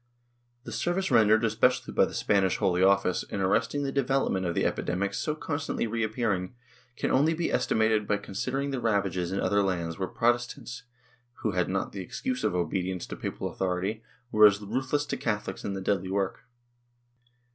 The sei*vice rendered, especially by the Spanish Holy Office, in arresting the development of the epidemics so constantly reappearing, can only be estimated by considering the ravages in other lands where Protestants, who had not the excuse of obedience to papal authority, were as ruthless as Catholics in the deadly work.